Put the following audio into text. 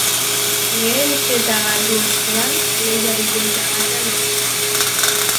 Lehen seta galdu ostean, lehiari buelta ematea lortu du.